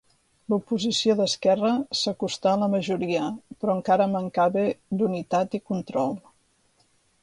L'oposició d'esquerra s'acostà a la majoria, però encara mancava d'unitat i control.